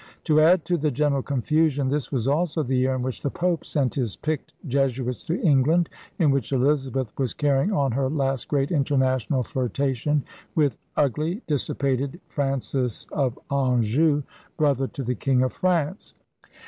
To add to the general confusion, this was also the year in which the Pope sent his picked Jesuits to England, and in which Eliza beth was canning on her last great international flirtation with ugly, dissipated Francis of Anjou, brother to the king of France.